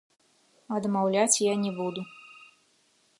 Адмаўляць я не буду.